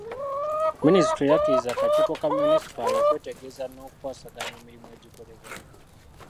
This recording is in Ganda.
Minisitule yakkiriza akakiiko ka munisipaali okwetegereza n'okukwasaganya emirimu egikolebwa.